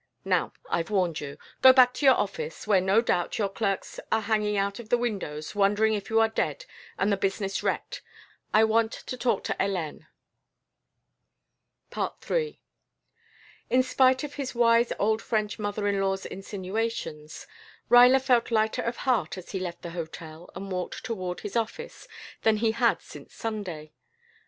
Now, I've warned you. Go back to your office, where, no doubt, your clerks are hanging out of the windows, wondering if you are dead and the business wrecked. I want to talk to Hélène." III In spite of his wise old French mother in law's insinuations, Ruyler felt lighter of heart as he left the hotel and walked toward his office than he had since Sunday.